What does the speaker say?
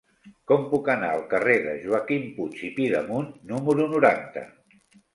Com puc anar al carrer de Joaquim Puig i Pidemunt número noranta?